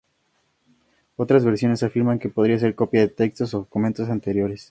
Otras versiones afirman que podría ser copia de textos o documentos anteriores.